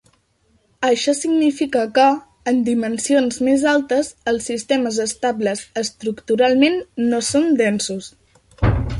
Això significa que, en dimensions més altes, els sistemes estables estructuralment no són densos.